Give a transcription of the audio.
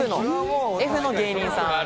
Ｆの芸人さん。